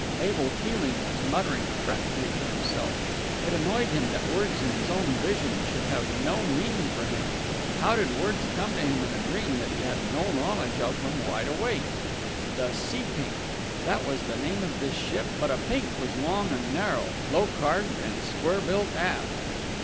Abel Keeling was muttering fretfully to himself. It annoyed him that words in his own vision should have no meaning for him. How did words come to him in a dream that he had no knowledge of when wide awake? The Seapink that was the name of this ship; but a pink was long and narrow, low carged and square built aft....